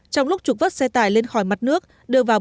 trong lúc trục vất xe tải lên khỏi mặt nước đưa vào bờ